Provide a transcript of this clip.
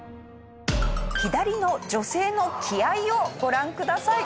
左の女性の気合をご覧ください。